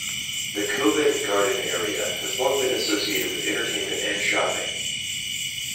The Covent Garden area has long been associated with entertainment and shopping.